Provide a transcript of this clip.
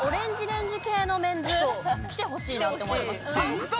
きてほしいなって思います。